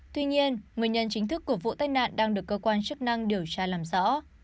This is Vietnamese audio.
tuy nhiên nguyên nhân chính thức của vụ tai nạn đang được cơ quan chức năng điều tra làm rõ